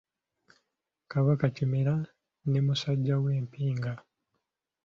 Kabaka Kimera ne musajja we Mpinga.